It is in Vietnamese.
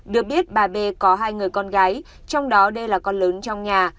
được biết bà b có hai người con gái trong đó đây là con lớn trong nhà